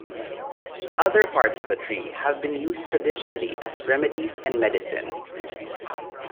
Other parts of the tree have been used traditionally as remedies and medicines.